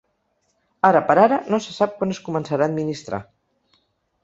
Ara per ara, no se sap quan es començarà a administrar.